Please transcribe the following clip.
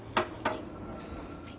はい。